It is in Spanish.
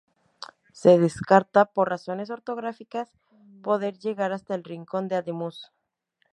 Se descarta, por razones orográficas, poder llegar hasta el Rincón de Ademuz.